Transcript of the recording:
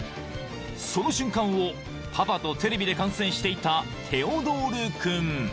［その瞬間をパパとテレビで観戦していたテオドール君］